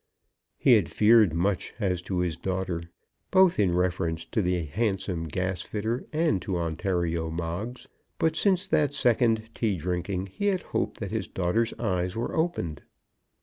He had feared much as to his daughter, both in reference to the handsome gasfitter and to Ontario Moggs, but since that second tea drinking he had hoped that his daughter's eyes were opened.